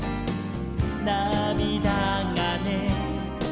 「なみだがね」